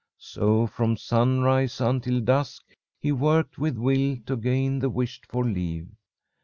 So, from sunrise until dusk, he worked with will, to gain the wished for leave.